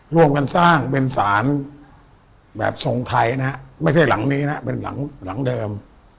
ร่วมกันสร้างเป็นสารแบบทรงไทยนะฮะไม่ใช่หลังนี้นะเป็นหลังเดิม